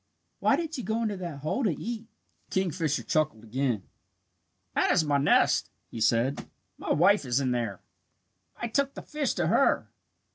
"Why did you go into that hole to eat?" The kingfisher chuckled again. "That is my nest," he said. "My wife is in there. I took the fish to her.